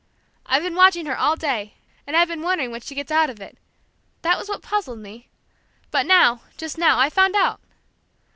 I've been watching her all day, and I've been wondering what she gets out of it, that was what puzzled me; but now, just now, I've found out!